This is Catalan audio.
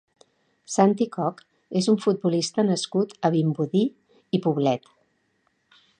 Santi Coch és un futbolista nascut a Vimbodí i Poblet.